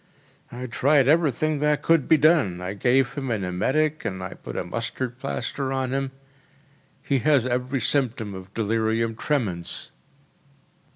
“I tried everything that could be done. I gave him an emetic and put a mustard plaster on him. He has every symptom of delirium tremens.